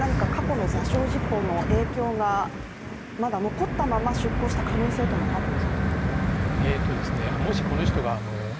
船底に何か過去の座礁事故の影響がまだ残ったまま出港した可能性というのはあるんですか。